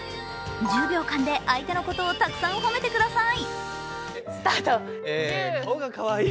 １０秒間で相手のことをたくさん褒めてください。